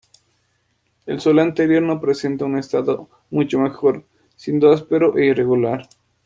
El suelo interior no presenta un estado mucho mejor, siendo áspero e irregular.